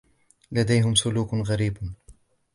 لديهم سلوك غريب.